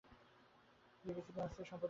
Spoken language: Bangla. তিনি কিছু দিন অস্থায়ী সম্পাদক হন।